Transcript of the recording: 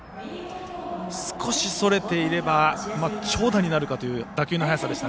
少しそれていれば長打になるかという打球の速さでした。